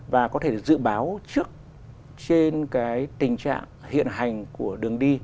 và có thể dự báo trước trên cái tình trạng hiện hành của đường đi